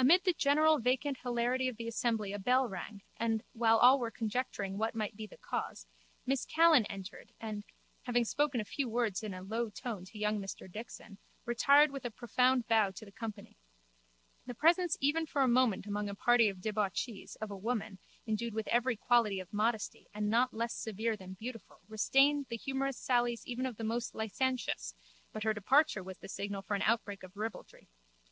Amid the general vacant hilarity of the assembly a bell rang and, while all were conjecturing what might be the cause, Miss Callan entered and, having spoken a few words in a low tone to young Mr Dixon, retired with a profound bow to the company. The presence even for a moment among a party of debauchees of a woman endued with every quality of modesty and not less severe than beautiful refrained the humourous sallies even of the most licentious but her departure was the signal for an outbreak of ribaldry.